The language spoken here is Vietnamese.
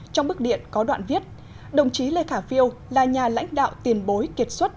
trong bức điện có đoạn viết đồng chí lê khả phiêu là nhà lãnh đạo tiền bối kiệt xuất